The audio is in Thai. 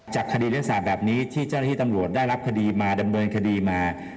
คดีลักษณะแบบนี้ที่เจ้าหน้าที่ตำรวจได้รับคดีมาดำเนินคดีมา